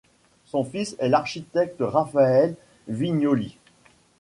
Son fils est l'architecte Rafael Viñoly.